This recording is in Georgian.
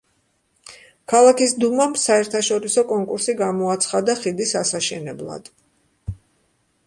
ქალაქის დუმამ საერთაშორისო კონკურსი გამოაცხადა, ხიდის ასაშენებლად.